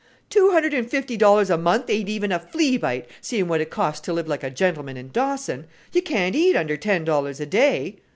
"Two hundred and fifty dollars a month ain't even a flea bite, seeing what it costs to live like a gentleman in Dawson. You can't eat under ten dollars a day!"